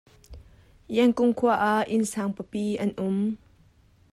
Yangon khua ah inn sang pipi an um.